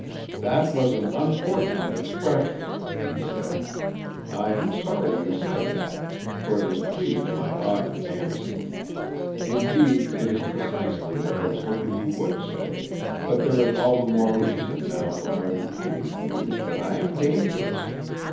"That was an unfortunate expression," he said. "I am sorry you said that, for it has pleased my odd fancy; indeed, it is precisely what I was hoping you would say, but there is all the more reason now for my repeating to you that I am dangerous.